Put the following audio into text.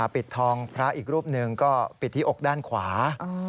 ปิดทองพระอีกรูปหนึ่งก็ปิดที่อกด้านขวา